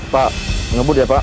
pak ngebut ya pak